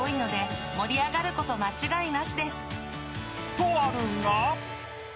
［とあるが］